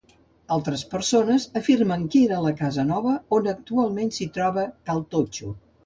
Altres persones afirmen que era la casa nova on actualment s'hi troba Cal Totxo.